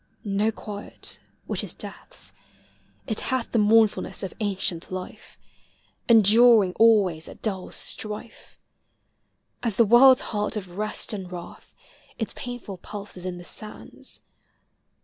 Xo quiet, which is death's — it hath The mournfulness of ancient life, Enduring always at dull strife. As the world's heart of rest and wrath, Its painful pulse is in the sands.